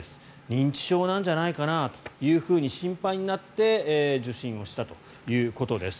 認知症なんじゃないかなと心配になって受診をしたということです。